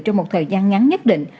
trong một thời gian ngắn nhất định